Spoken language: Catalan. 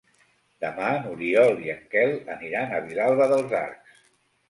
Demà n'Oriol i en Quel aniran a Vilalba dels Arcs.